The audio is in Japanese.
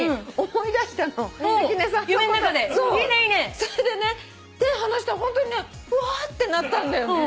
それでね手離したらホントにねふわってなったんだよね。